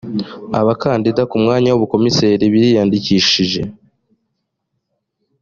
abakandida ku mwanya w ubukomiseri biriyandikishije.